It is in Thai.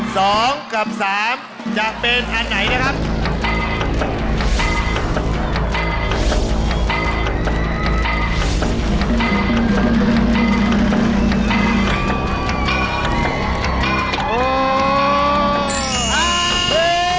สองกับสามจะเป็นอันไหนนะครับ